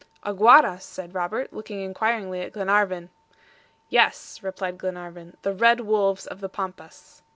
"AGUARAS?" said Robert, looking inquiringly at Glenarvan. "Yes," replied Glenarvan, "the red wolves of the Pampas."